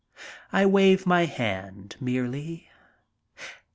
I wave my hand merely.